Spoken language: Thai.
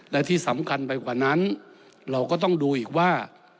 และที่สำคัญไปกว่านั้นเราก็ต้องดูอีกว่า